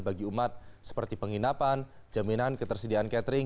bagi umat seperti penginapan jaminan ketersediaan catering